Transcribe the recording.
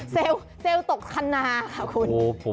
เซลล์ตกคันนาค่ะคุณ